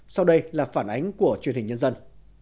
sau đây là phản ánh của truyền hình nhân dân